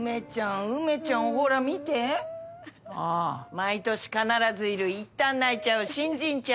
毎年必ずいるいったん泣いちゃう新人ちゃん。